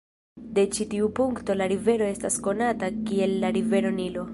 De ĉi tiu punkto la rivero estas konata kiel la Rivero Nilo.